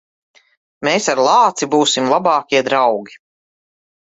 Mēs ar lāci būsim labākie draugi.